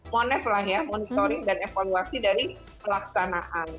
monef lah ya monitoring dan evaluasi dari pelaksanaan